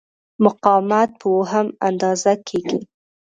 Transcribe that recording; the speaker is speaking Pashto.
مقاومت په اوهم اندازه کېږي.